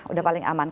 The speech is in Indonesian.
udah paling aman